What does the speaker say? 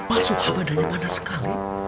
mas suha badannya pandai sekali